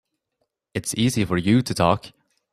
It's easy for you to talk.